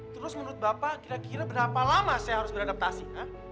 terus menurut bapak kira kira berapa lama saya harus beradaptasi